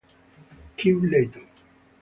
Kim Layton